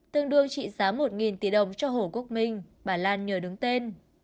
tương đương trị giá một tỷ đồng cho hồ quốc minh bà lan nhờ đứng tên